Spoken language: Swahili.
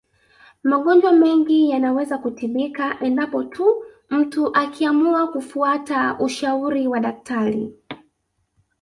Magonjwa mengi yanaweza kutibika endapo tu mtu akiamua kufata ushauri wa daktari